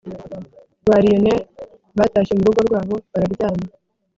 ba lionel batashye murugo rwabo bararyama